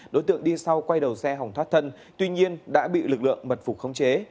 đối tượng đi sau quay đầu xe hỏng thoát thân tuy nhiên đã bị lực lượng mật phục khống chế